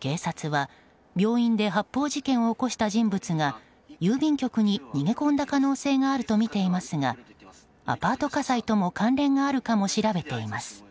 警察は、病院で発砲事件を起こした人物が郵便局に逃げ込んだ可能性があるとみていますがアパート火災とも関連があるかも調べています。